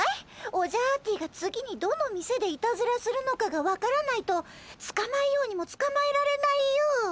オジャアーティが次にどの店でいたずらするのかが分からないとつかまえようにもつかまえられないよ。